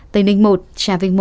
tây ninh một trà vinh một